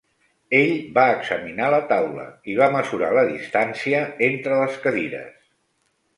Ell va examinar la taula i va mesurar la distància entre les cadires.